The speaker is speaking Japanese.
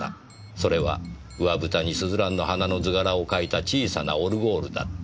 「それは上蓋にスズランの花の図柄を描いた小さなオルゴールだった」